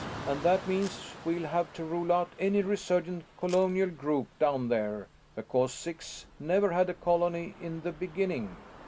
And that means we'll have to rule out any resurgent colonial group down there, because Six never had a colony in the beginning."